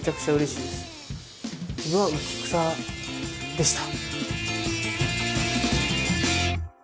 自分は浮き草でした。